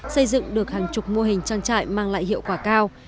xây dựng được hàng chục mô hình trang trại mang lại hiệu quả cao